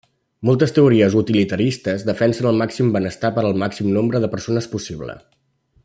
Moltes teories utilitaristes defensen el màxim benestar per al màxim nombre de persones possible.